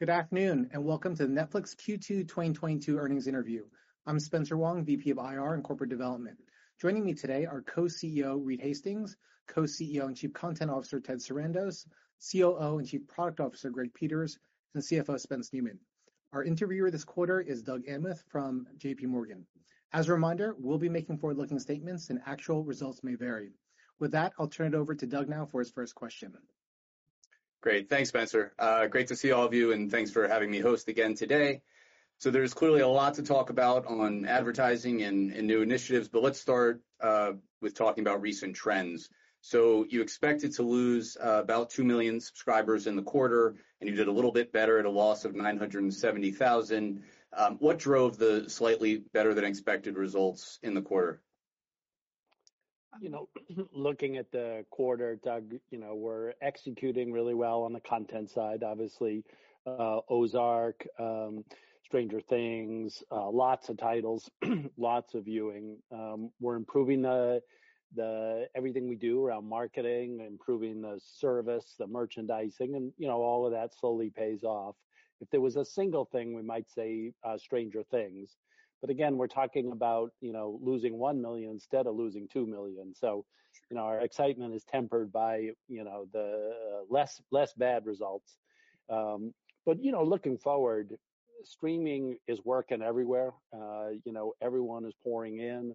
Good afternoon, and welcome to the Netflix Q2 2022 earnings interview. I'm Spencer Wang, VP of IR and Corporate Development. Joining me today are Co-CEO Reed Hastings; Co-CEO and Chief Content Officer Ted Sarandos; COO and Chief Product Officer Greg Peters; and CFO Spencer Neumann. Our interviewer this quarter is Doug Anmuth from J.P. Morgan. As a reminder, we'll be making forward-looking statements and actual results may vary. With that, I'll turn it over to Doug now for his first question. Great. Thanks, Spencer. Great to see all of you, and thanks for having me host again today. There's clearly a lot to talk about on advertising and new initiatives, but let's start with talking about recent trends. You expected to lose about two million subscribers in the quarter, and you did a little bit better at a loss of 970,000. What drove the slightly better than expected results in the quarter? You know, looking at the quarter, Doug, you know, we're executing really well on the content side, obviously, Ozark, Stranger Things, lots of titles, lots of viewing. We're improving everything we do around marketing, improving the service, the merchandising, and, you know, all of that slowly pays off. If there was a single thing, we might say, Stranger Things, but again, we're talking about, you know, losing one million instead of losing two million. You know, our excitement is tempered by, you know, the less bad results. Looking forward, streaming is working everywhere. You know, everyone is pouring in.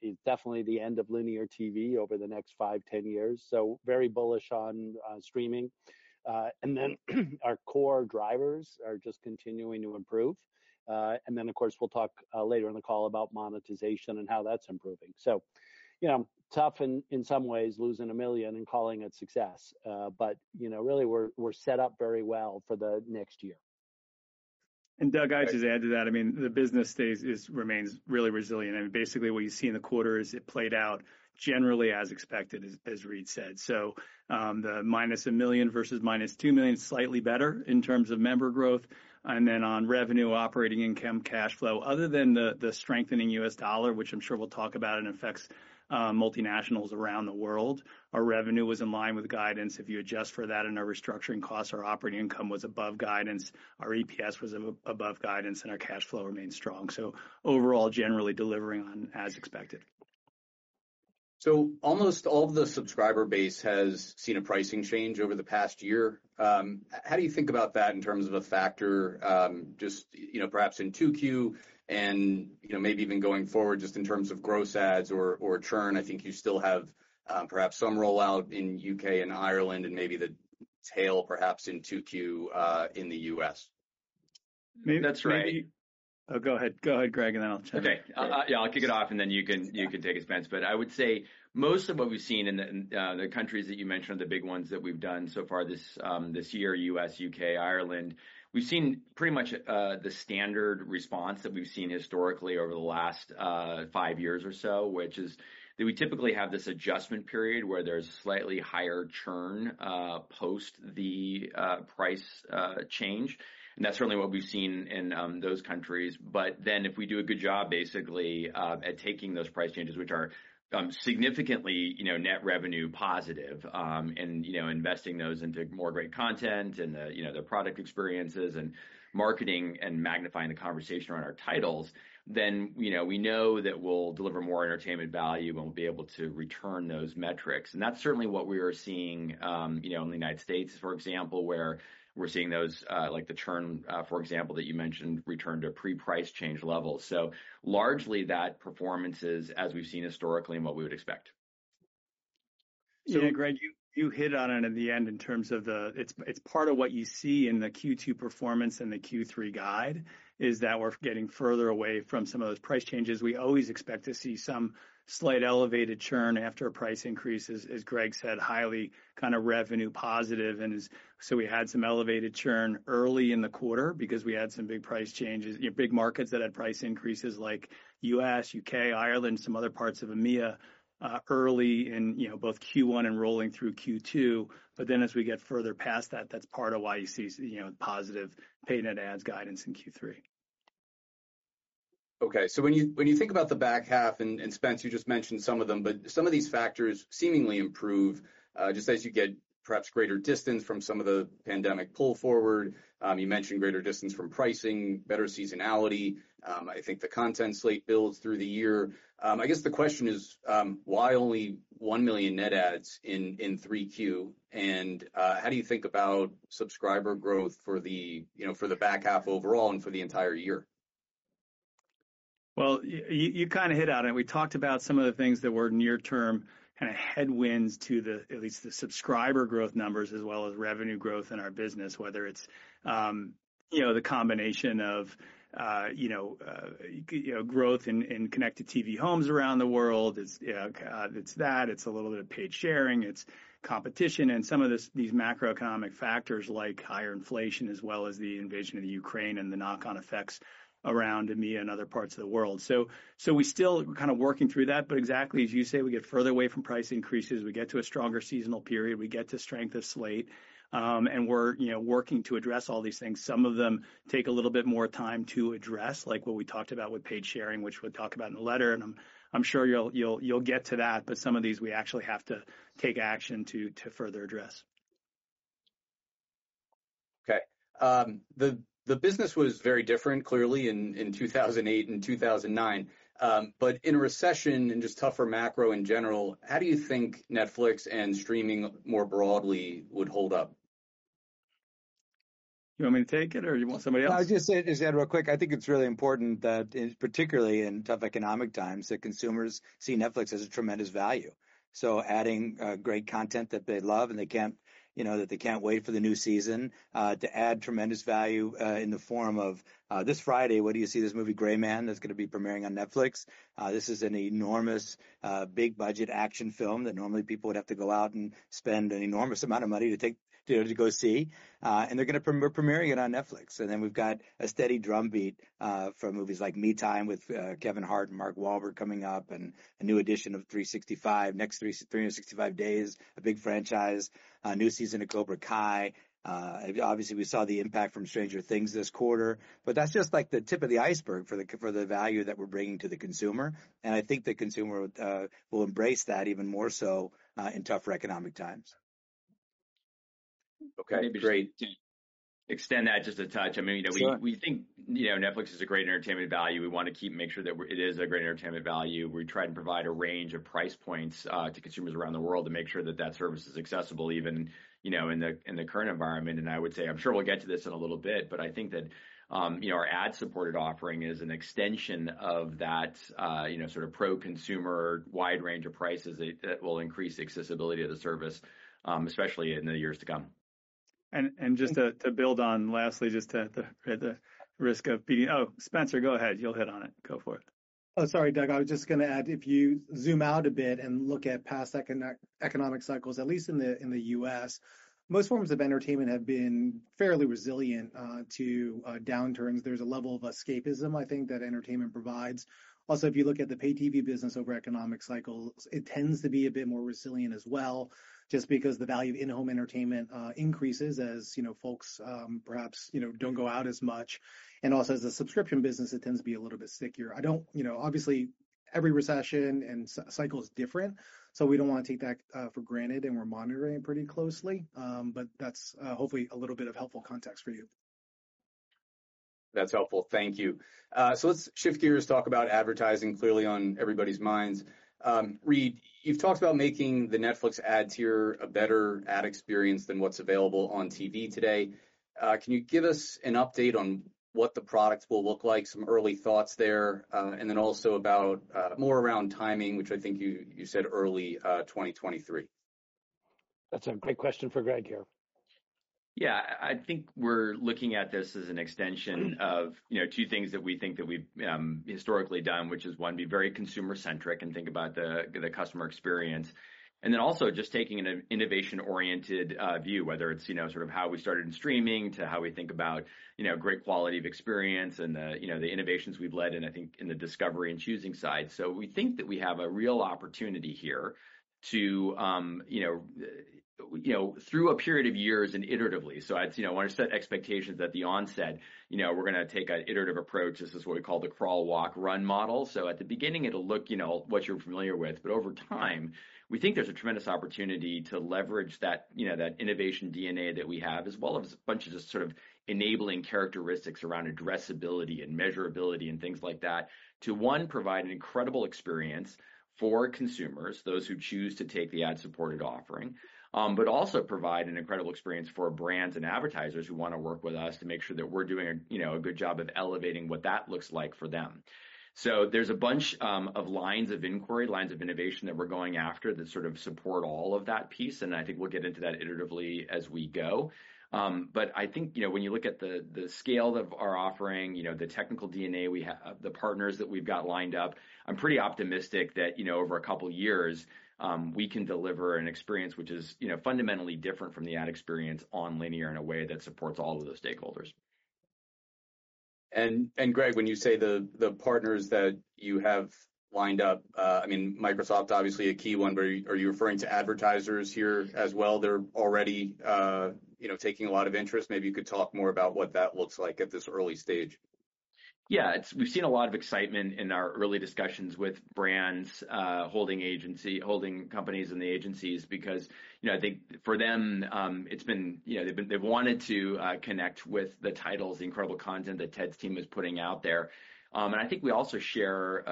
It's definitely the end of linear TV over the next five, 10 years, so very bullish on streaming. Our core drivers are just continuing to improve. Of course, we'll talk later in the call about monetization and how that's improving. You know, tough in some ways, losing a million and calling it success, but, you know, really we're set up very well for the next year. Doug, I'd just add to that. I mean, the business remains really resilient. I mean, basically what you see in the quarter is it played out generally as expected, as Reed said. The -1 million versus -2 million is slightly better in terms of member growth. Then on revenue, operating income, cash flow, other than the strengthening US dollar, which I'm sure we'll talk about, it affects multinationals around the world, our revenue was in line with guidance. If you adjust for that and our restructuring costs, our operating income was above guidance, our EPS was above guidance, and our cash flow remained strong. Overall, generally delivering on as expected. Almost all of the subscriber base has seen a pricing change over the past year. How do you think about that in terms of a factor, just, you know, perhaps in 2Q and, you know, maybe even going forward just in terms of gross adds or churn? I think you still have, perhaps some rollout in UK and Ireland and maybe the tail perhaps in 2Q, in the US. That's right. Maybe- Oh, go ahead. Go ahead, Greg, and then I'll chime in. Okay. Yeah, I'll kick it off and then you can take it, Spence. I would say most of what we've seen in the countries that you mentioned are the big ones that we've done so far this year, U.S., U.K., Ireland. We've seen pretty much the standard response that we've seen historically over the last five years or so, which is that we typically have this adjustment period where there's slightly higher churn post the price change. That's certainly what we've seen in those countries. If we do a good job basically at taking those price changes, which are significantly, you know, net revenue positive, and you know, investing those into more great content and the you know, the product experiences and marketing and magnifying the conversation around our titles, then you know, we know that we'll deliver more entertainment value and we'll be able to return those metrics. That's certainly what we are seeing you know, in the United States, for example, where we're seeing those like the churn for example, that you mentioned, return to pre-price change levels. Largely that performance is as we've seen historically and what we would expect. Yeah, Greg, you hit on it at the end in terms of the. It's part of what you see in the Q2 performance and the Q3 guide, that we're getting further away from some of those price changes. We always expect to see some slight elevated churn after a price increase. As Greg said, highly kind of revenue positive. We had some elevated churn early in the quarter because we had some big price changes, you know, big markets that had price increases like U.S., U.K., Ireland, some other parts of EMEA early in, you know, both Q1 and rolling through Q2. But then as we get further past that's part of why you see you know, positive paid net adds guidance in Q3. Okay. When you think about the back half, and Spence, you just mentioned some of them, but some of these factors seemingly improve just as you get perhaps greater distance from some of the pandemic pull forward. You mentioned greater distance from pricing, better seasonality. I think the content slate builds through the year. I guess the question is, why only one million net adds in 3Q? How do you think about subscriber growth for the, you know, for the back half overall and for the entire year? Well, you kinda hit on it. We talked about some of the things that were near term kinda headwinds to the, at least the subscriber growth numbers, as well as revenue growth in our business, whether it's the combination of growth in connected TV homes around the world. It's a little bit of paid sharing, it's competition and some of these macroeconomic factors like higher inflation, as well as the invasion of Ukraine and the knock-on effects around EMEA and other parts of the world. We still kind of working through that, but exactly as you say, we get further away from price increases, we get to a stronger seasonal period, we get to strength of slate, and we're, you know, working to address all these things. Some of them take a little bit more time to address, like what we talked about with paid sharing, which we'll talk about in the letter and I'm sure you'll get to that, but some of these we actually have to take action to further address. Okay. The business was very different clearly in 2008 and 2009. In a recession and just tougher macro in general, how do you think Netflix and streaming more broadly would hold up? You want me to take it, or you want somebody else? No, I'll just say this, Ed, real quick. I think it's really important that in particular in tough economic times, that consumers see Netflix as a tremendous value. Adding great content that they love and, you know, they can't wait for the new season to add tremendous value in the form of. This Friday, what do you see? This movie The Gray Man that's gonna be premiering on Netflix. This is an enormous big budget action film that normally people would have to go out and spend an enormous amount of money to go see. They're gonna premiere it on Netflix. Then we've got a steady drumbeat for movies like Me Time with Kevin Hart and Mark Wahlberg coming up, and a new edition of 365 Days, next three, 365 Days, a big franchise. A new season of Cobra Kai. Obviously, we saw the impact from Stranger Things this quarter. That's just, like, the tip of the iceberg for the value that we're bringing to the consumer, and I think the consumer will embrace that even more so in tougher economic times. Okay, great. Maybe just to extend that just a touch. I mean, you know. Sure We think, you know, Netflix is a great entertainment value. We wanna keep making sure that it is a great entertainment value. We try to provide a range of price points to consumers around the world to make sure that service is accessible even, you know, in the current environment. I would say, I'm sure we'll get to this in a little bit, but I think that, you know, our ad-supported offering is an extension of that, you know, sort of pro-consumer wide range of prices that will increase the accessibility of the service, especially in the years to come. Just to build on lastly, just to the risk of beating. Oh, Spencer, go ahead. You'll hit on it. Go for it. Oh, sorry, Doug. I was just gonna add, if you zoom out a bit and look at past economic cycles, at least in the U.S., most forms of entertainment have been fairly resilient to downturns. There's a level of escapism, I think, that entertainment provides. Also, if you look at the pay TV business over economic cycles, it tends to be a bit more resilient as well, just because the value of in-home entertainment increases as you know, folks perhaps you know, don't go out as much. As a subscription business, it tends to be a little bit stickier. I don't you know, obviously, every recession and cycle is different, so we don't wanna take that for granted, and we're monitoring pretty closely. That's hopefully a little bit of helpful context for you. That's helpful. Thank you. Let's shift gears, talk about advertising clearly on everybody's minds. Reed, you've talked about making the Netflix ad tier a better ad experience than what's available on TV today. Can you give us an update on what the product will look like, some early thoughts there, and then also about more around timing, which I think you said early 2023. That's a great question for Greg here. Yeah. I think we're looking at this as an extension of, you know, two things that we think that we've historically done, which is, one, be very consumer-centric and think about the customer experience. Also just taking an innovation-oriented view, whether it's, you know, sort of how we started in streaming to how we think about, you know, great quality of experience and you know, the innovations we've led and I think in the discovery and choosing side. We think that we have a real opportunity here to, you know, you know, through a period of years and iteratively. I wanna set expectations at the onset. You know, we're gonna take an iterative approach. This is what we call the crawl, walk, run model. At the beginning, it'll look, you know, what you're familiar with, but over time, we think there's a tremendous opportunity to leverage that, you know, that innovation DNA that we have, as well as a bunch of just sort of enabling characteristics around addressability and measurability and things like that to, one, provide an incredible experience for consumers, those who choose to take the ad-supported offering, but also provide an incredible experience for brands and advertisers who wanna work with us to make sure that we're doing, you know, a good job of elevating what that looks like for them. There's a bunch of lines of inquiry, lines of innovation that we're going after that sort of support all of that piece, and I think we'll get into that iteratively as we go. I think, you know, when you look at the scale of our offering, you know, the technical DNA, the partners that we've got lined up, I'm pretty optimistic that, you know, over a couple years, we can deliver an experience which is, you know, fundamentally different from the ad experience on linear in a way that supports all of the stakeholders. Greg, when you say the partners that you have lined up, I mean, Microsoft obviously a key one, but are you referring to advertisers here as well? They're already, you know, taking a lot of interest. Maybe you could talk more about what that looks like at this early stage. Yeah. We've seen a lot of excitement in our early discussions with brands, holding agencies, holding companies and the agencies because, you know, I think for them, you know, they've wanted to connect with the titles, the incredible content that Ted's team is putting out there. I think we also share,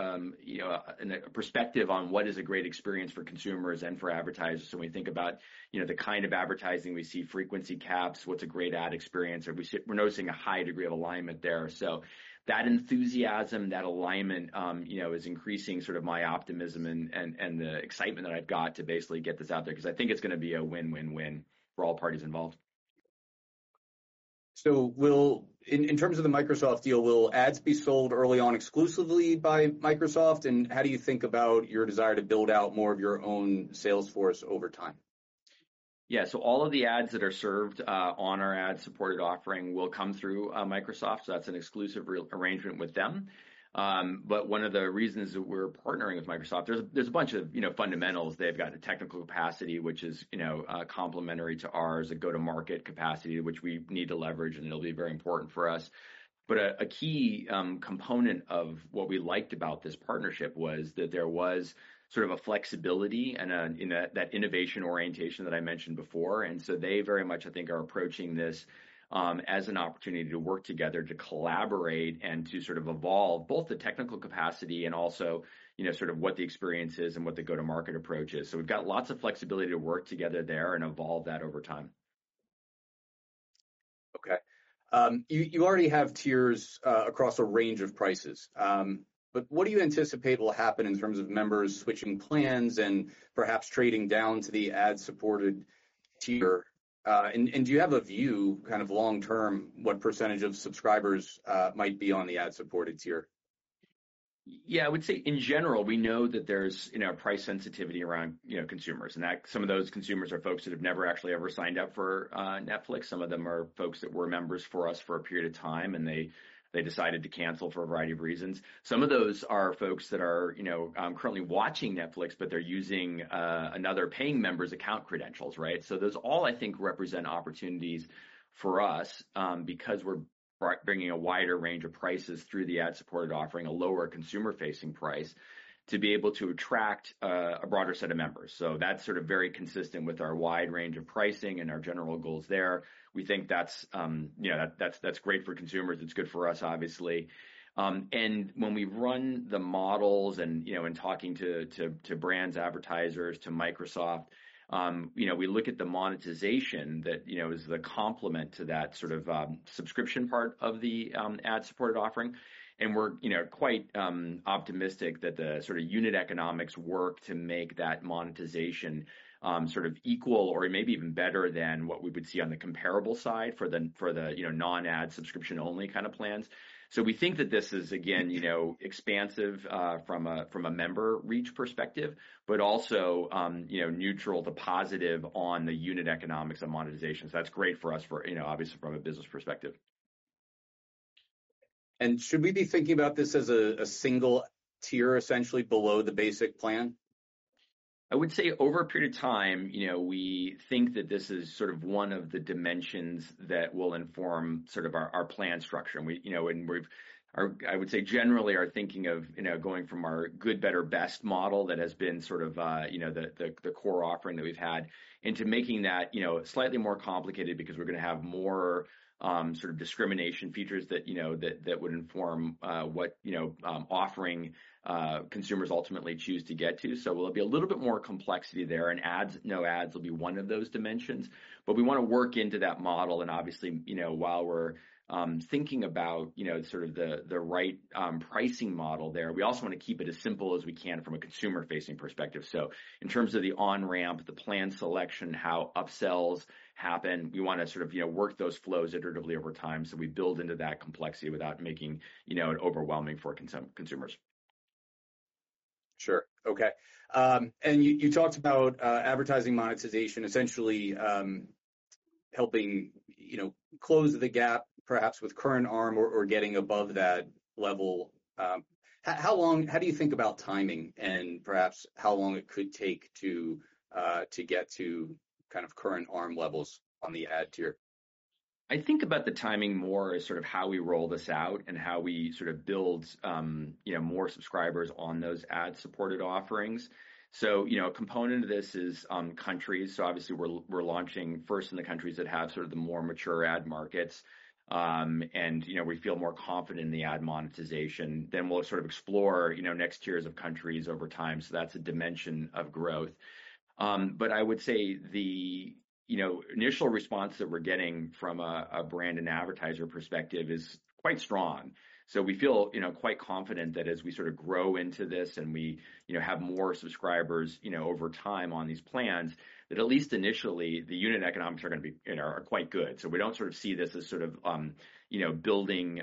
you know, a perspective on what is a great experience for consumers and for advertisers when we think about, you know, the kind of advertising we see, frequency caps, what's a great ad experience, and we're noticing a high degree of alignment there. That enthusiasm, that alignment, you know, is increasing sort of my optimism and the excitement that I've got to basically get this out there because I think it's gonna be a win-win-win for all parties involved. In terms of the Microsoft deal, will ads be sold early on exclusively by Microsoft? How do you think about your desire to build out more of your own sales force over time? Yeah. All of the ads that are served on our ad-supported offering will come through Microsoft. That's an exclusive arrangement with them. One of the reasons that we're partnering with Microsoft, there's a bunch of, you know, fundamentals. They've got the technical capacity, which is, you know, complementary to ours, a go-to-market capacity, which we need to leverage, and it'll be very important for us. A key component of what we liked about this partnership was that there was sort of a flexibility and that innovation orientation that I mentioned before. They very much, I think, are approaching this as an opportunity to work together, to collaborate and to sort of evolve both the technical capacity and also, you know, sort of what the experience is and what the go-to-market approach is. We've got lots of flexibility to work together there and evolve that over time. Okay. You already have tiers across a range of prices. What do you anticipate will happen in terms of members switching plans and perhaps trading down to the ad-supported tier? Do you have a view kind of long term what percentage of subscribers might be on the ad-supported tier? Yeah, I would say in general, we know that there's, you know, price sensitivity around, you know, consumers. That some of those consumers are folks that have never actually ever signed up for Netflix. Some of them are folks that were members for us for a period of time, and they decided to cancel for a variety of reasons. Some of those are folks that are, you know, currently watching Netflix, but they're using another paying member's account credentials, right? Those all, I think, represent opportunities for us, because we're bringing a wider range of prices through the ad-supported offering, a lower consumer-facing price, to be able to attract a broader set of members. That's sort of very consistent with our wide range of pricing and our general goals there. We think that's, you know, that's great for consumers. It's good for us, obviously. When we run the models and, you know, in talking to brands, advertisers, to Microsoft, you know, we look at the monetization that, you know, is the complement to that sort of subscription part of the ad-supported offering. We're, you know, quite optimistic that the sort of unit economics work to make that monetization sort of equal or maybe even better than what we would see on the comparable side for the, you know, non-ad subscription-only kind of plans. We think that this is again, you know, expansive from a member reach perspective, but also, you know, neutral to positive on the unit economics and monetization. That's great for us, you know, obviously from a business perspective. Should we be thinking about this as a single tier essentially below the basic plan? I would say over a period of time, you know, we think that this is sort of one of the dimensions that will inform sort of our plan structure. I would say generally we're thinking of, you know, going from our good, better, best model that has been sort of, you know, the core offering that we've had into making that, you know, slightly more complicated because we're gonna have more sort of differentiation features that you know that would inform what you know offering consumers ultimately choose to get to. Will it be a little bit more complexity there, and ads, no ads will be one of those dimensions? We wanna work into that model and obviously you know, while we're thinking about, you know, sort of the right pricing model there, we also wanna keep it as simple as we can from a consumer-facing perspective. In terms of the on-ramp, the plan selection, how upsells happen, we wanna sort of, you know, work those flows iteratively over time so we build into that complexity without making, you know, it overwhelming for consumers. Sure. Okay. You talked about advertising monetization essentially helping, you know, close the gap perhaps with current ARM or getting above that level. How do you think about timing and perhaps how long it could take to get to kind of current ARM levels on the ad tier? I think about the timing more as sort of how we roll this out and how we sort of build, you know, more subscribers on those ad-supported offerings. You know, a component of this is countries. Obviously we're launching first in the countries that have sort of the more mature ad markets. You know, we feel more confident in the ad monetization. We'll sort of explore, you know, next tiers of countries over time. That's a dimension of growth. I would say the, you know, initial response that we're getting from a brand and advertiser perspective is quite strong. We feel, you know, quite confident that as we sort of grow into this and we, you know, have more subscribers, you know, over time on these plans, that at least initially the unit economics are gonna be, you know, are quite good. We don't sort of see this as sort of, you know, building,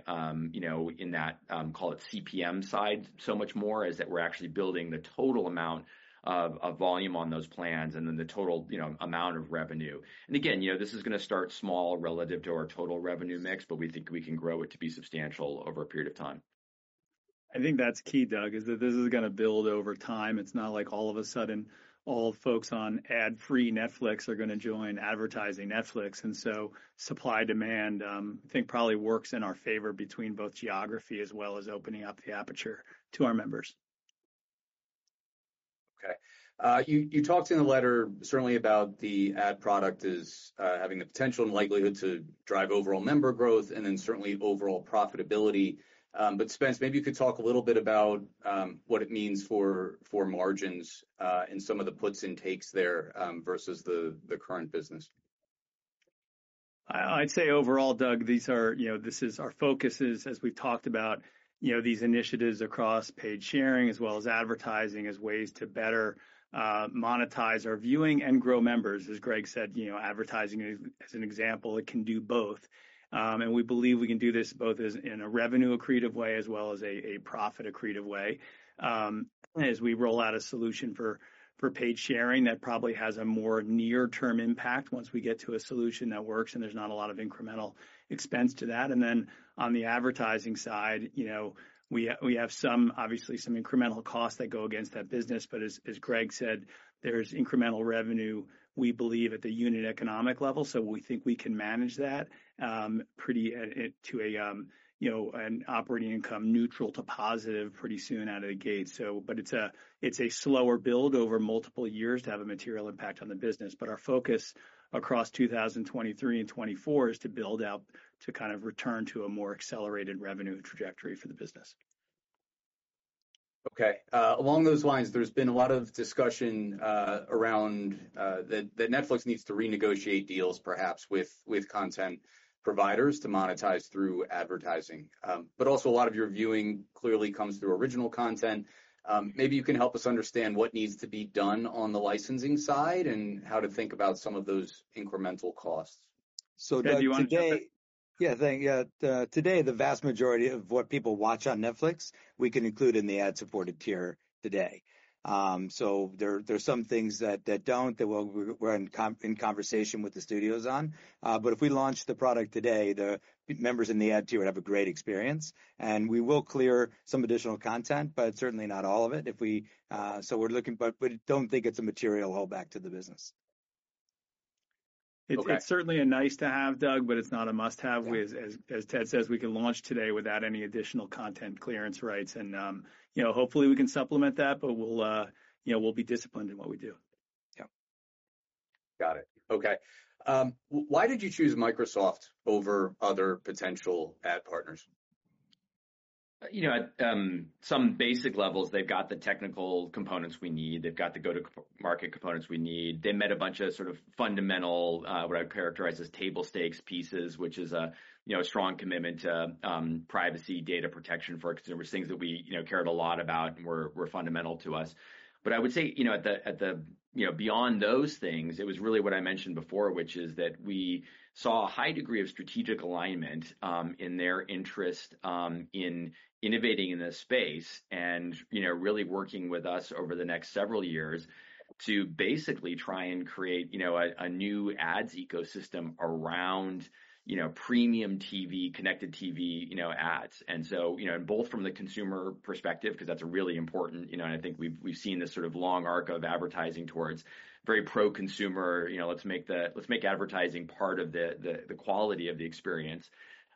you know, in that, call it CPM side so much more as that we're actually building the total amount of volume on those plans and then the total, you know, amount of revenue. Again, you know, this is gonna start small relative to our total revenue mix, but we think we can grow it to be substantial over a period of time. I think that's key, Doug, is that this is gonna build over time. It's not like all of a sudden all folks on ad-free Netflix are gonna join advertising Netflix. Supply-demand, I think probably works in our favor between both geography as well as opening up the aperture to our members. Okay. You talked in the letter certainly about the ad product as having the potential and likelihood to drive overall member growth and then certainly overall profitability. Spencer, maybe you could talk a little bit about what it means for margins and some of the puts and takes there versus the current business. I'd say overall, Doug, these are, you know, this is our focus is, as we've talked about, you know, these initiatives across paid sharing as well as advertising as ways to better monetize our viewing and grow members. As Greg said, you know, advertising as an example, it can do both. We believe we can do this both as in a revenue accretive way as well as a profit accretive way. As we roll out a solution for paid sharing, that probably has a more near-term impact once we get to a solution that works and there's not a lot of incremental expense to that. On the advertising side, you know, we have some obviously some incremental costs that go against that business. As Greg said, there's incremental revenue, we believe at the unit economic level. We think we can manage that pretty much at an operating income neutral to positive pretty soon out of the gate. It's a slower build over multiple years to have a material impact on the business. Our focus across 2023 and 2024 is to build out to kind of return to a more accelerated revenue trajectory for the business. Okay. Along those lines, there's been a lot of discussion around that Netflix needs to renegotiate deals perhaps with content providers to monetize through advertising. Also a lot of your viewing clearly comes through original content. Maybe you can help us understand what needs to be done on the licensing side and how to think about some of those incremental costs. Doug, today. Ted, do you want to take this? Yeah, thank you. Today, the vast majority of what people watch on Netflix, we can include in the ad-supported tier today. There's some things that we're in conversation with the studios on. If we launched the product today, the members in the ad tier would have a great experience. We will clear some additional content, but certainly not all of it. We're looking. Don't think it's a material holdback to the business. Okay. It's certainly a nice to have, Doug, but it's not a must-have. Yeah. We as Ted says, we can launch today without any additional content clearance rights and, you know, hopefully we can supplement that, but we'll, you know, we'll be disciplined in what we do. Yeah. Got it. Okay. Why did you choose Microsoft over other potential ad partners? You know, at some basic levels, they've got the technical components we need. They've got the go-to market components we need. They met a bunch of sort of fundamental what I'd characterize as table stakes pieces, which is, you know, a strong commitment to privacy data protection for our consumers, things that we, you know, cared a lot about and were fundamental to us. I would say, you know, at the, you know, beyond those things, it was really what I mentioned before, which is that we saw a high degree of strategic alignment in their interest in innovating in this space and, you know, really working with us over the next several years to basically try and create, you know, a new ads ecosystem around, you know, premium TV, connected TV, you know, ads. You know, both from the consumer perspective, because that's really important, you know, and I think we've seen this sort of long arc of advertising towards very pro-consumer, you know, let's make advertising part of the quality of the experience,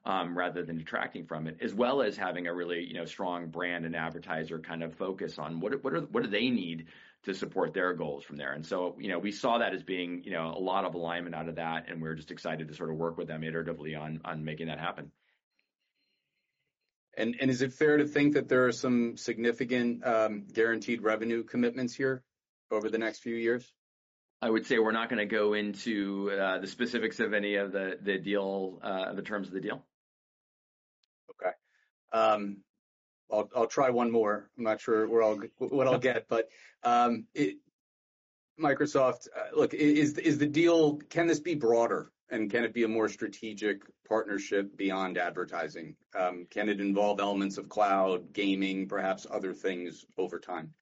rather than detracting from it, as well as having a really, you know, strong brand and advertiser kind of focus on what do they need to support their goals from there. You know, we saw that as being, you know, a lot of alignment out of that, and we're just excited to sort of work with them iteratively on making that happen. Is it fair to think that there are some significant, guaranteed revenue commitments here over the next few years? I would say we're not gonna go into the specifics of any of the deal, the terms of the deal. I'll try one more. I'm not sure what I'll get. Microsoft, look, is the deal. Can this be broader, and can it be a more strategic partnership beyond advertising? Can it involve elements of cloud, gaming, perhaps other things over time?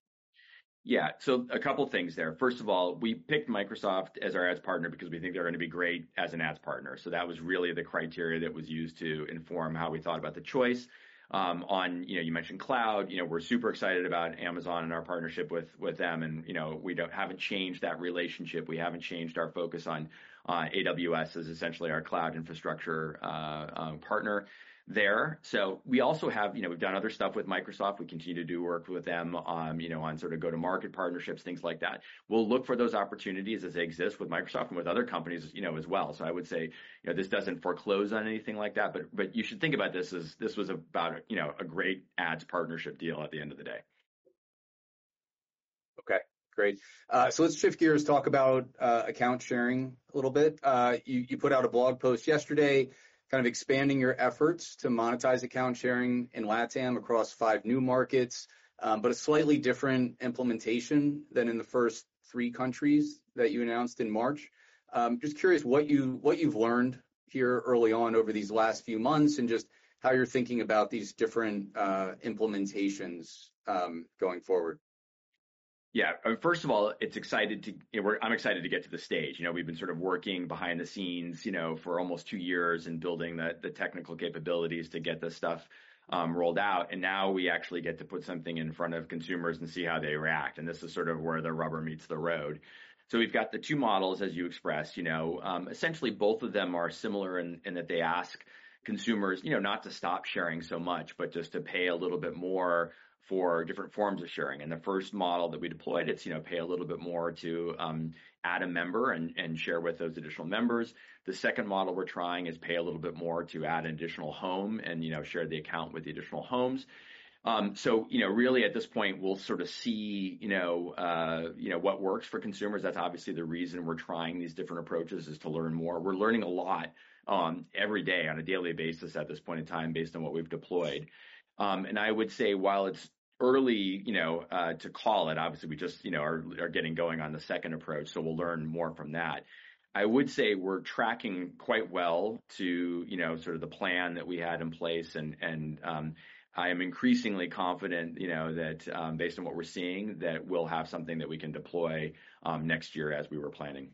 Yeah. A couple things there. First of all, we picked Microsoft as our ads partner because we think they're gonna be great as an ads partner. That was really the criteria that was used to inform how we thought about the choice. You know, you mentioned cloud. You know, we're super excited about Amazon and our partnership with them and, you know, we haven't changed that relationship. We haven't changed our focus on AWS as essentially our cloud infrastructure partner there. We also have, you know, we've done other stuff with Microsoft. We continue to do work with them on, you know, sort of go-to-market partnerships, things like that. We'll look for those opportunities as they exist with Microsoft and with other companies, you know, as well. I would say, you know, this doesn't foreclose on anything like that. But you should think about this as this was about, you know, a great ads partnership deal at the end of the day. Okay, great. Let's shift gears, talk about account sharing a little bit. You put out a blog post yesterday kind of expanding your efforts to monetize account sharing in LATAM across five new markets, but a slightly different implementation than in the first three countries that you announced in March. Just curious what you've learned here early on over these last few months and just how you're thinking about these different implementations going forward. Yeah. First of all, it's exciting. I'm excited to get to this stage. You know, we've been sort of working behind the scenes, you know, for almost two years and building the technical capabilities to get this stuff rolled out, and now we actually get to put something in front of consumers and see how they react, and this is sort of where the rubber meets the road. We've got the two models as you expressed. You know, essentially both of them are similar in that they ask consumers, you know, not to stop sharing so much, but just to pay a little bit more for different forms of sharing. The first model that we deployed, it's, you know, pay a little bit more to add a member and share with those additional members. The second model we're trying is pay a little bit more to add an additional home and, you know, share the account with the additional homes. You know, really at this point, we'll sort of see, you know, what works for consumers. That's obviously the reason we're trying these different approaches is to learn more. We're learning a lot, every day on a daily basis at this point in time based on what we've deployed. I would say while it's early, you know, to call it, obviously we just, you know, are getting going on the second approach, so we'll learn more from that. I would say we're tracking quite well to, you know, sort of the plan that we had in place and I am increasingly confident, you know, that based on what we're seeing, that we'll have something that we can deploy next year as we were planning.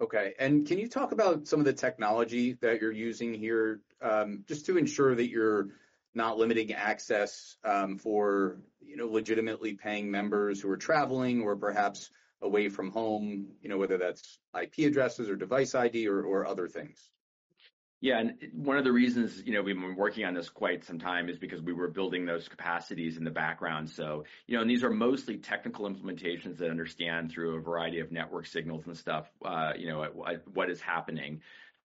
Okay. Can you talk about some of the technology that you're using here, just to ensure that you're not limiting access for you know, legitimately paying members who are traveling or perhaps away from home, you know, whether that's IP addresses or device ID or other things? Yeah, one of the reasons, you know, we've been working on this quite some time is because we were building those capacities in the background. You know, these are mostly technical implementations that understand through a variety of network signals and stuff, you know, at what is happening.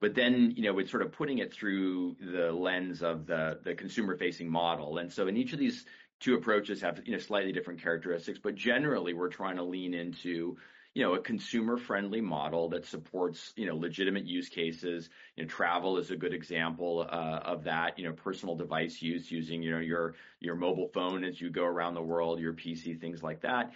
You know, with sort of putting it through the lens of the consumer-facing model. In each of these two approaches have, you know, slightly different characteristics, but generally, we're trying to lean into, you know, a consumer-friendly model that supports, you know, legitimate use cases. You know, travel is a good example of that, you know, personal device use using, you know, your mobile phone as you go around the world, your PC, things like that.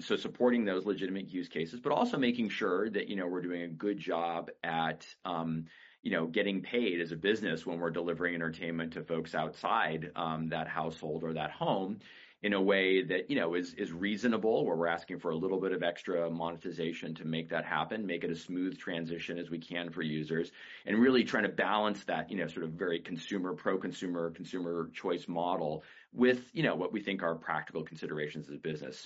Supporting those legitimate use cases, but also making sure that, you know, we're doing a good job at, you know, getting paid as a business when we're delivering entertainment to folks outside that household or that home in a way that, you know, is reasonable, where we're asking for a little bit of extra monetization to make that happen, make it a smooth transition as we can for users. Really trying to balance that, you know, sort of very consumer, pro-consumer, consumer choice model with, you know, what we think are practical considerations as a business.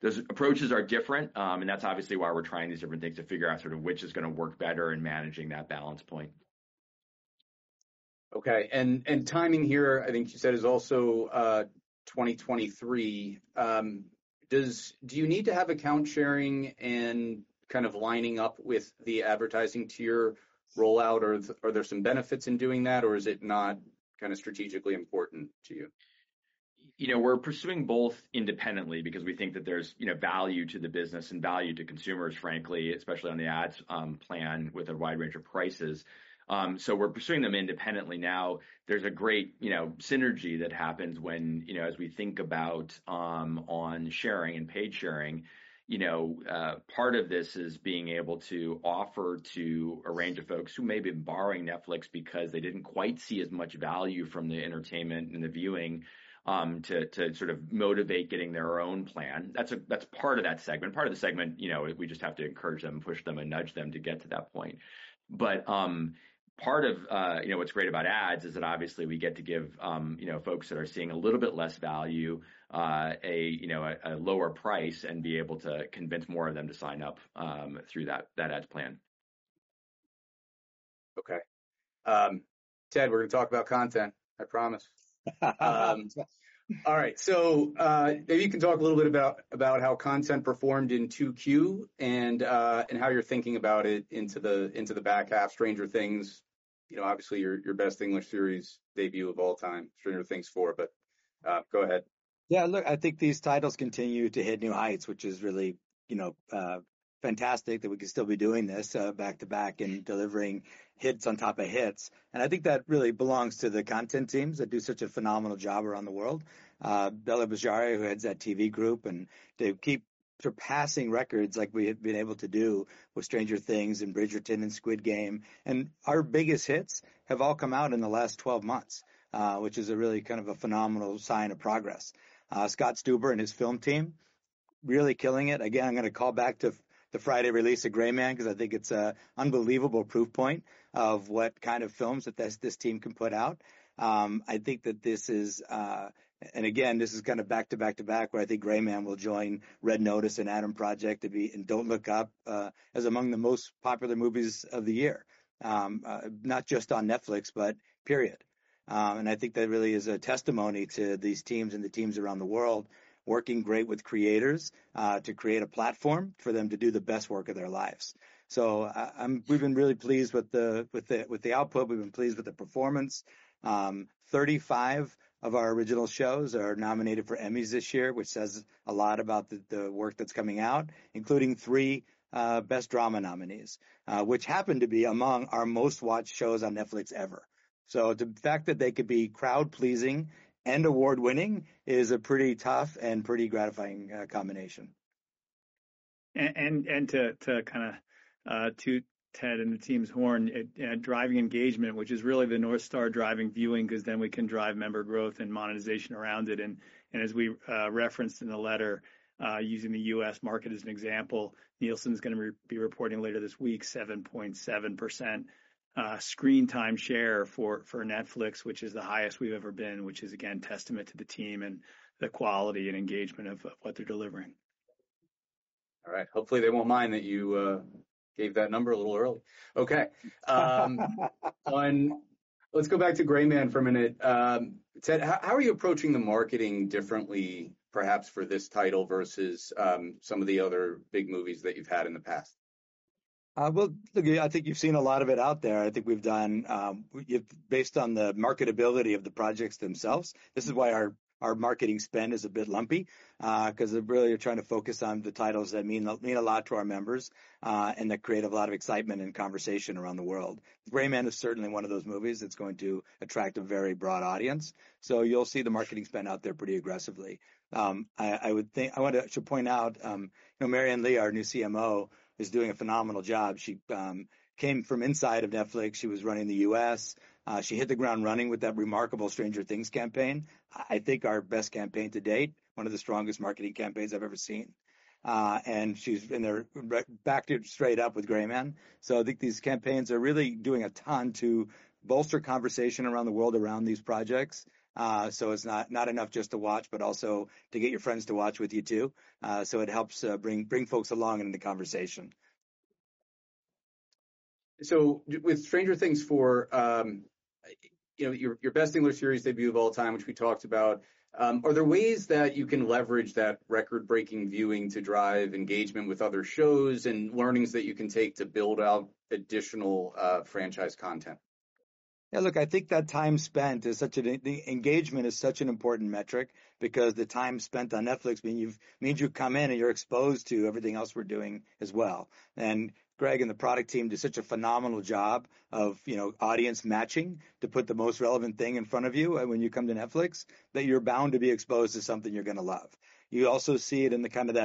Those approaches are different, and that's obviously why we're trying these different things to figure out sort of which is gonna work better in managing that balance point. Okay. Timing here, I think you said is also 2023. Do you need to have account sharing and kind of lining up with the advertising tier rollout, or are there some benefits in doing that, or is it not kind of strategically important to you? You know, we're pursuing both independently because we think that there's, you know, value to the business and value to consumers, frankly, especially on the ads plan with a wide range of prices. We're pursuing them independently now. There's a great, you know, synergy that happens when, you know, as we think about on sharing and paid sharing. You know, part of this is being able to offer to a range of folks who may be borrowing Netflix because they didn't quite see as much value from the entertainment and the viewing, to sort of motivate getting their own plan. That's part of that segment. Part of the segment, you know, we just have to encourage them, push them, and nudge them to get to that point. Part of, you know, what's great about ads is that obviously we get to give, you know, folks that are seeing a little bit less value a lower price and be able to convince more of them to sign up through that ads plan. Okay. Ted, we're gonna talk about content, I promise. All right. Maybe you can talk a little bit about how content performed in Q2 and how you're thinking about it into the back half. Stranger Things, you know, obviously your best English series debut of all time, Stranger Things 4, but go ahead. Yeah, look, I think these titles continue to hit new heights, which is really, you know, fantastic that we could still be doing this, back-to-back and delivering hits on top of hits. I think that really belongs to the content teams that do such a phenomenal job around the world. Bela Bajaria, who heads that TV group, and they keep surpassing records like we have been able to do with Stranger Things and Bridgerton and Squid Game. Our biggest hits have all come out in the last 12 months, which is a really kind of a phenomenal sign of progress. Scott Stuber and his film team really killing it. Again, I'm gonna call back to the Friday release of The Gray Man because I think it's a unbelievable proof point of what kind of films that this team can put out. I think that this is, this is kind of back to back to back where I think The Gray Man will join Red Notice and The Adam Project to be and Don't Look Up, as among the most popular movies of the year, not just on Netflix, but period. I think that really is a testimony to these teams and the teams around the world working great with creators, to create a platform for them to do the best work of their lives. I, we've been really pleased with the output. We've been pleased with the performance. 35 of our original shows are nominated for Emmys this year, which says a lot about the work that's coming out, including three best drama nominees, which happen to be among our most watched shows on Netflix ever. The fact that they could be crowd-pleasing and award-winning is a pretty tough and pretty gratifying combination. To kinda toot Ted and the team's horn at driving engagement, which is really the North Star driving viewing because then we can drive member growth and monetization around it. As we referenced in the letter, using the U.S. market as an example, Nielsen's gonna be reporting later this week 7.7% screen time share for Netflix, which is the highest we've ever been, which is again testament to the team and the quality and engagement of what they're delivering. All right. Hopefully, they won't mind that you gave that number a little early. Okay. Let's go back to Gray Man for a minute. Ted, how are you approaching the marketing differently perhaps for this title versus some of the other big movies that you've had in the past? I think you've seen a lot of it out there. I think we've done based on the marketability of the projects themselves, this is why our marketing spend is a bit lumpy, 'cause really you're trying to focus on the titles that mean a lot to our members, and that create a lot of excitement and conversation around the world. Gray Man is certainly one of those movies that's going to attract a very broad audience, so you'll see the marketing spend out there pretty aggressively. I wanted to point out, you know, Marian Lee, our new CMO, is doing a phenomenal job. She came from inside of Netflix. She was running the U.S. She hit the ground running with that remarkable Stranger Things campaign. I think our best campaign to date, one of the strongest marketing campaigns I've ever seen. She's in there straight up with Gray Man. I think these campaigns are really doing a ton to bolster conversation around the world around these projects. It's not enough just to watch, but also to get your friends to watch with you too. It helps bring folks along in the conversation. With "Stranger Things 4," you know, your best English series debut of all time, which we talked about, are there ways that you can leverage that record-breaking viewing to drive engagement with other shows and learnings that you can take to build out additional franchise content? Yeah, look, I think that the engagement is such an important metric because the time spent on Netflix means you come in, and you're exposed to everything else we're doing as well. Greg and the product team do such a phenomenal job of, you know, audience matching to put the most relevant thing in front of you when you come to Netflix, that you're bound to be exposed to something you're gonna love. You also see it in the kind of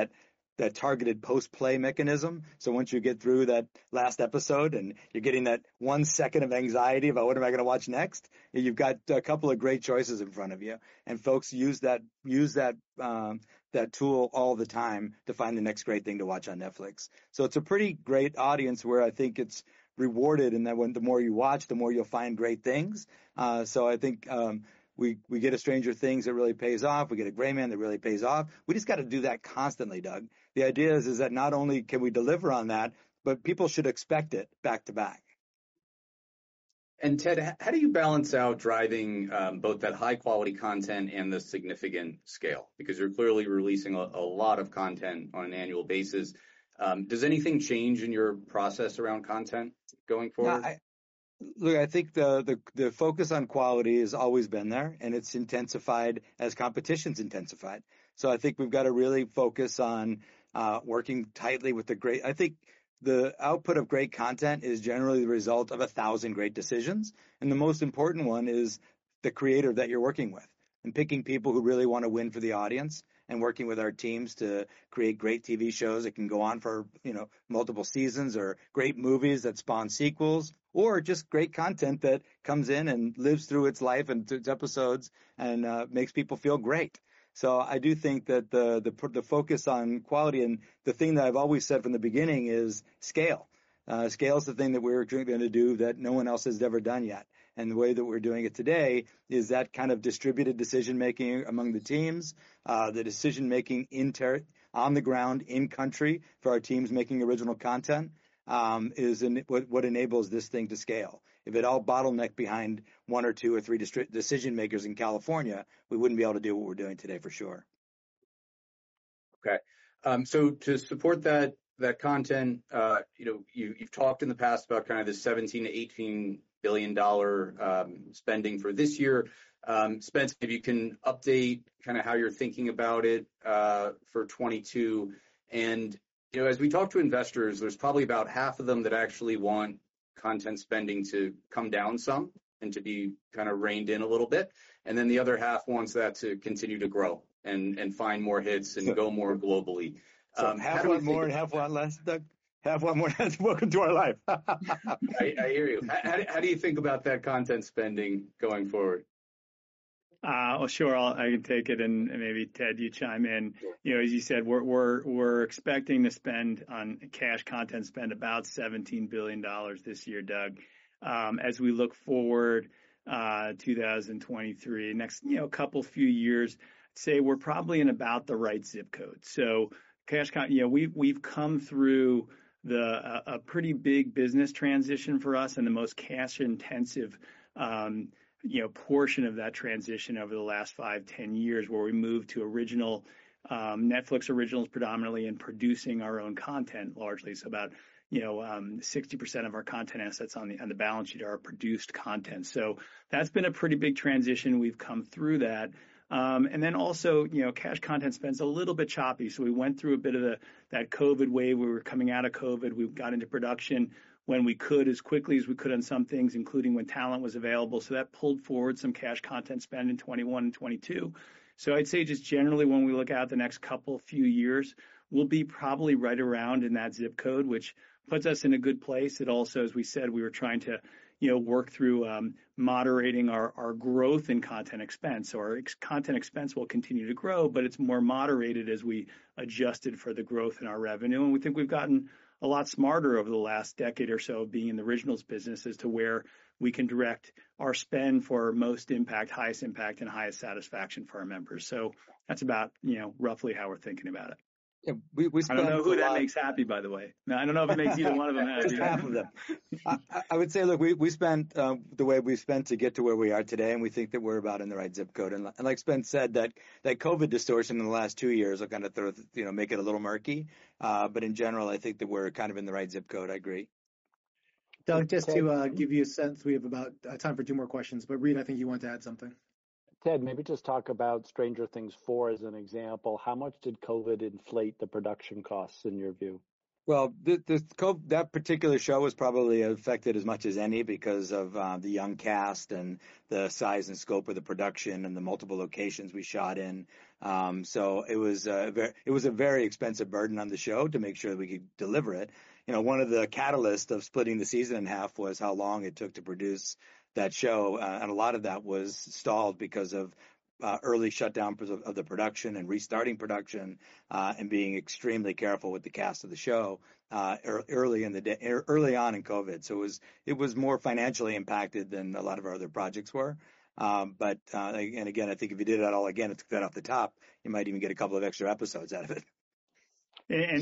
targeted post-play mechanism. Once you get through that last episode, and you're getting that one second of anxiety about what am I gonna watch next, you've got a couple of great choices in front of you. Folks use that tool all the time to find the next great thing to watch on Netflix. It's a pretty great audience where I think it's rewarded in that when the more you watch, the more you'll find great things. I think we get a "Stranger Things" that really pays off. We get a "The Gray Man" that really pays off. We just gotta do that constantly, Doug. The idea is that not only can we deliver on that, but people should expect it back to back. Ted, how do you balance out driving both that high-quality content and the significant scale? Because you're clearly releasing a lot of content on an annual basis. Does anything change in your process around content going forward? No, look, I think the focus on quality has always been there, and it's intensified as competition's intensified. I think we've gotta really focus on. I think the output of great content is generally the result of 1,000 great decisions, and the most important one is the creator that you're working with and picking people who really wanna win for the audience and working with our teams to create great TV shows that can go on for, you know, multiple seasons, or great movies that spawn sequels, or just great content that comes in and lives through its life and its episodes and makes people feel great. I do think that the focus on quality and the thing that I've always said from the beginning is scale. Scale's the thing that we're going to do that no one else has ever done yet. The way that we're doing it today is that kind of distributed decision-making among the teams, the decision-making on the ground, in country for our teams making original content, is what enables this thing to scale. If it all bottlenecked behind one or two or three decision makers in California, we wouldn't be able to do what we're doing today for sure. Okay. So to support that content, you know, you've talked in the past about kind of the $17 billion-$18 billion spending for this year. Spence, maybe you can update kinda how you're thinking about it for 2022. You know, as we talk to investors, there's probably about half of them that actually want content spending to come down some and to be kinda reined in a little bit, and then the other half wants that to continue to grow and find more hits and go more globally. How do you think- Have one more and have one less, Doug. Have one more less. Welcome to our life. I hear you. How do you think about that content spending going forward? Sure. I can take it, and maybe Ted, you chime in. Sure. You know, as you said, we're expecting to spend on cash content spend about $17 billion this year, Doug. As we look forward, 2023, next couple few years, say we're probably in about the right zip code. So cash, you know, we've come through a pretty big business transition for us and the most cash-intensive portion of that transition over the last 5, 10 years, where we moved to original Netflix originals predominantly and producing our own content largely. So about, you know, 60% of our content assets on the balance sheet are produced content. So that's been a pretty big transition. We've come through that. You know, cash content spend's a little bit choppy, so we went through a bit of that COVID wave, where we were coming out of COVID. We got into production when we could as quickly as we could on some things, including when talent was available. That pulled forward some cash content spend in 2021 and 2022. I'd say just generally when we look out the next couple few years, we'll be probably right around in that zip code, which puts us in a good place. It also, as we said, we were trying to, you know, work through moderating our growth in content expense. Our ex-content expense will continue to grow, but it's more moderated as we adjusted for the growth in our revenue. We think we've gotten a lot smarter over the last decade or so of being in the originals business as to where we can direct our spend for most impact, highest impact, and highest satisfaction for our members. That's about, you know, roughly how we're thinking about it. Yeah, we spent a lot. I don't know who that makes happy, by the way. No, I don't know if it makes either one of them happy. It's half of them. I would say, look, we spent the way we've spent to get to where we are today, and we think that we're about in the right zip code. Spencer said that COVID distortion in the last two years will kind of throw, you know, make it a little murky. But in general, I think that we're kind of in the right zip code. I agree. Doug- Doug, just to give you a sense, we have about time for two more questions. Reed, I think you wanted to add something. Ted Sarandos, maybe just talk about "Stranger Things 4" as an example. How much did COVID inflate the production costs in your view? Well, that particular show was probably affected as much as any because of the young cast and the size and scope of the production and the multiple locations we shot in. It was a very expensive burden on the show to make sure that we could deliver it. You know, one of the catalysts of splitting the season in half was how long it took to produce that show. A lot of that was stalled because of early shutdown of the production and restarting production and being extremely careful with the cast of the show early on in COVID. It was more financially impacted than a lot of our other projects were. I think if you did it all again, it's been off the top, you might even get a couple of extra episodes out of it.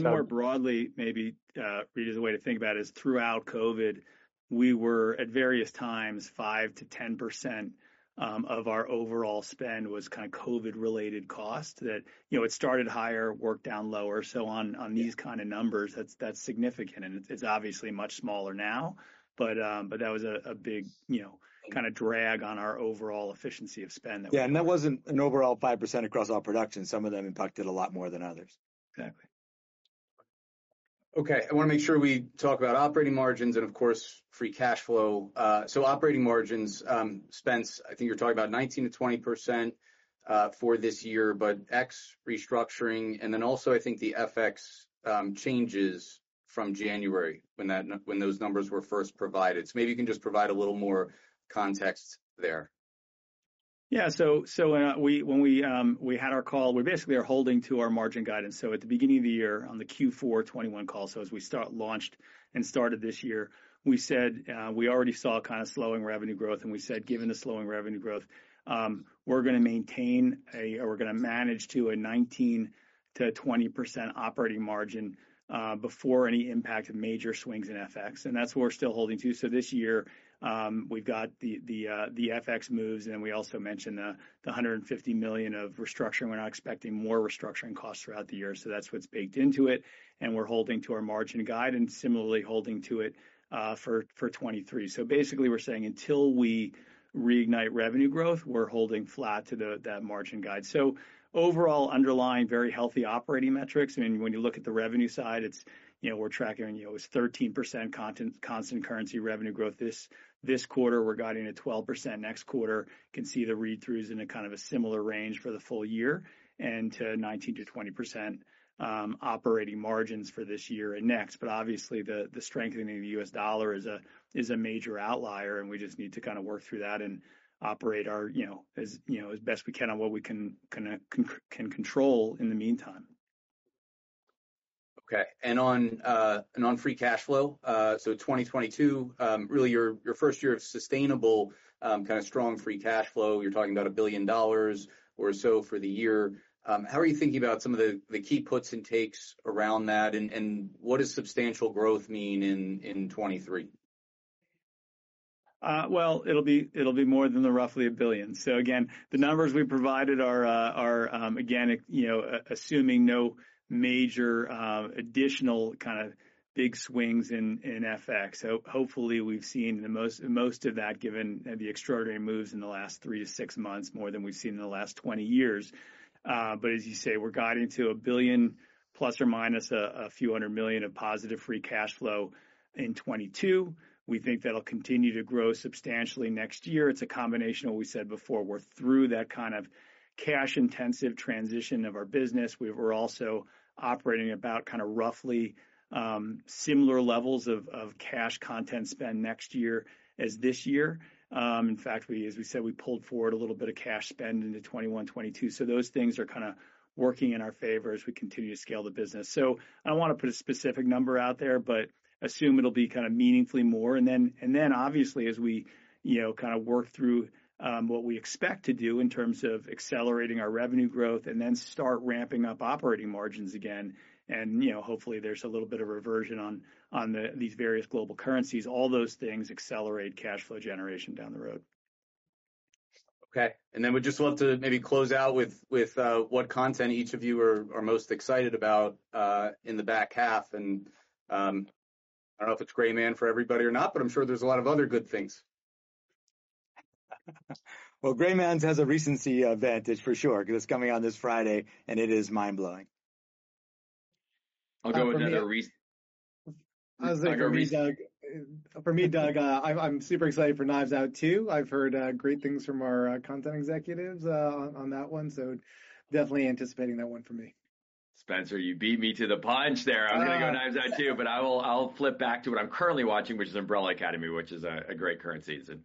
More broadly, maybe, Reed, is the way to think about is throughout COVID, we were at various times, 5%-10% of our overall spend was kinda COVID-related cost that, you know, it started higher, worked down lower. So on these kinda numbers, that's significant, and it's obviously much smaller now. That was a big, you know, kinda drag on our overall efficiency of spend that we Yeah, that wasn't an overall 5% across all production. Some of them impacted a lot more than others. Exactly. Okay. I wanna make sure we talk about operating margins and of course, free cash flow. Operating margins, Spence, I think you're talking about 19%-20% for this year, but ex restructuring and then also I think the FX changes from January when those numbers were first provided. Maybe you can just provide a little more context there. So, when we had our call, we basically are holding to our margin guidance. At the beginning of the year on the Q4 2021 call, as we launched and started this year, we said we already saw a kinda slowing revenue growth, and we said given the slowing revenue growth, we're gonna maintain or we're gonna manage to a 19%-20% operating margin before any impact of major swings in FX. That's what we're still holding to. This year, we've got the FX moves, and then we also mentioned the $150 million of restructuring. We're not expecting more restructuring costs throughout the year, so that's what's baked into it, and we're holding to our margin guide and similarly holding to it for 2023. Basically we're saying until we reignite revenue growth, we're holding flat to that margin guide. Overall underlying very healthy operating metrics. I mean, when you look at the revenue side, it's, you know, we're tracking, you know, it's 13% constant currency revenue growth this quarter. We're guiding at 12% next quarter. Can see the read-throughs in a kind of a similar range for the full year, and to 19%-20% operating margins for this year and next. But obviously the strengthening of the US dollar is a major outlier, and we just need to kinda work through that and operate our, you know, as, you know, as best we can on what we can kinda control in the meantime. Okay. On free cash flow, so 2022, really your first year of sustainable, kinda strong free cash flow. You're talking about $1 billion or so for the year. How are you thinking about some of the key puts and takes around that, and what does substantial growth mean in 2023? Well, it'll be more than roughly $1 billion. Again, the numbers we provided are again, you know, assuming no major additional kinda big swings in FX. Hopefully we've seen the most of that given, you know, the extraordinary moves in the last three-six months, more than we've seen in the last 20 years. As you say, we're guiding to $1 billion ± a few hundred million of positive free cash flow in 2022. We think that'll continue to grow substantially next year. It's a combination of what we said before. We're through that kind of cash-intensive transition of our business. We're also operating about kinda roughly similar levels of cash content spend next year as this year. In fact, as we said, we pulled forward a little bit of cash spend into 2021, 2022. Those things are kinda working in our favor as we continue to scale the business. I don't wanna put a specific number out there, but assume it'll be kinda meaningfully more. Obviously as we, you know, kinda work through what we expect to do in terms of accelerating our revenue growth and then start ramping up operating margins again, and, you know, hopefully there's a little bit of reversion on these various global currencies. All those things accelerate cash flow generation down the road. Okay. We just want to maybe close out with what content each of you are most excited about in the back half. I don't know if it's The Gray Man for everybody or not, but I'm sure there's a lot of other good things. Well, The Gray Man has a recency advantage for sure 'cause it's coming out this Friday, and it is mind-blowing. I'll go with another. I was gonna say for me, Doug. Another re- For me, Doug, I'm super excited for Knives Out 2. I've heard great things from our content executives on that one, so definitely anticipating that one for me. Spencer, you beat me to the punch there. Oh. I was gonna go Knives Out 2, but I will, I'll flip back to what I'm currently watching, which is The Umbrella Academy, which is a great current season.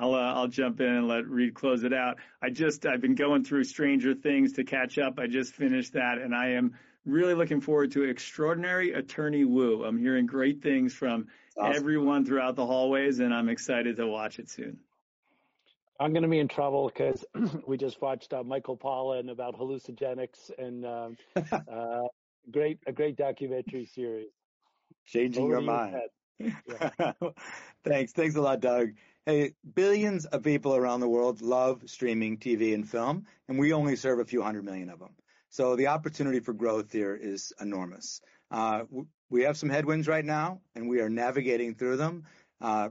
I'll jump in and let Reed close it out. I've been going through Stranger Things to catch up. I just finished that, and I am really looking forward to Extraordinary Attorney Woo. I'm hearing great things from- Awesome everyone throughout the hallways, and I'm excited to watch it soon. I'm gonna be in trouble 'cause we just watched Michael Pollan about hallucinogens and a great documentary series. How to Change Your Mind. Blow your head. Yeah. Thanks. Thanks a lot, Doug. Hey, billions of people around the world love streaming TV and film, and we only serve a few hundred million of them, so the opportunity for growth here is enormous. We have some headwinds right now, and we are navigating through them.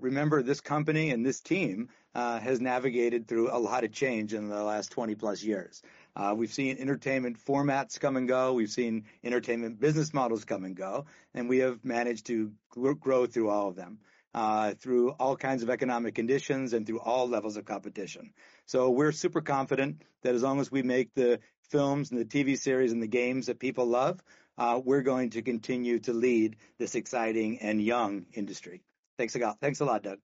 Remember this company and this team has navigated through a lot of change in the last 20+ years. We've seen entertainment formats come and go. We've seen entertainment business models come and go, and we have managed to grow through all of them, through all kinds of economic conditions and through all levels of competition. We're super confident that as long as we make the films and the TV series and the games that people love, we're going to continue to lead this exciting and young industry. Thanks a lot, Doug.